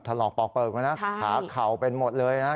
ทะเลาะปอกปลอกน่ะพาเขาเป็นหมดเลยนะ